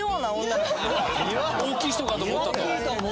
「大きい人かと思ったと」